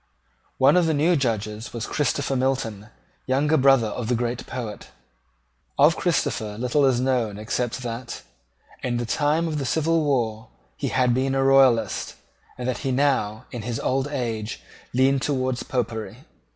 One of the new Judges was Christopher Milton, younger brother of the great poet. Of Christopher little is known except that, in the time of the civil war, he had been a Royalist, and that he now, in his old age, leaned towards Popery.